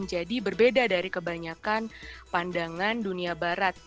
jadi berbeda dari kebanyakan pandangan dunia barat